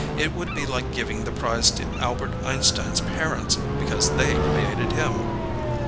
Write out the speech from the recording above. It would be like giving the prize to Albert Einstein's parents because they created him."